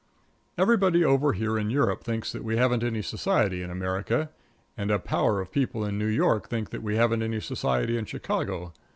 Everybody over here in Europe thinks that we haven't any society in America, and a power of people in New York think that we haven't any society in Chicago.